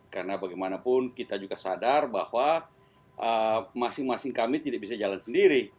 karena bagaimanapun kita juga sadar bahwa masing masing kami tidak bisa jalan sendiri